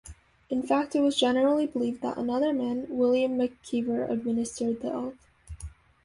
In fact it was generally believed that another man, William McKeever, administered the oath.